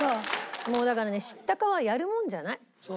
もうだからね知ったかはやるもんじゃない。